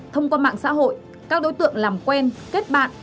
thông qua mạng xã hội các đối tượng làm quen kết bạn